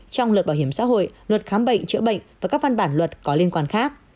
trong luật bảo hiểm xã hội luật khám bệnh chữa bệnh và các văn bản luật có liên quan khác